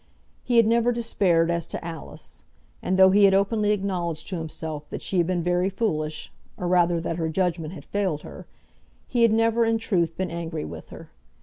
He had never despaired as to Alice. And though he had openly acknowledged to himself that she had been very foolish, or rather, that her judgement had failed her, he had never in truth been angry with her.